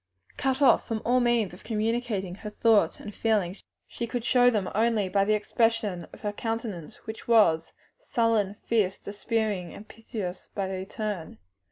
Cut off from all other means of communicating her thoughts and feelings, she could show them only by the expression of her countenance, which was sullen, fierce, despairing, piteous by turns.